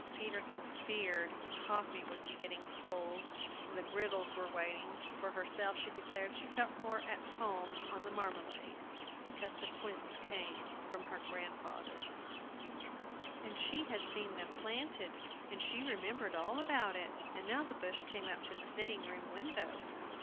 Peterkin feared the coffee would be getting cold, and the griddles were waiting. For herself, she declared she felt more at home on the marmalade, because the quinces came from grandfather's, and she had seen them planted; she remembered all about it, and now the bush came up to the sitting room window.